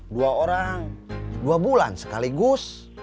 dua orang dua bulan sekaligus